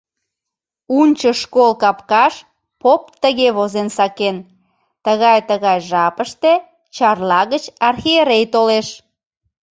Унчо школ капкаш поп тыге возен сакен: «Тыгай-тыгай жапыште Чарла гыч архиерей толеш.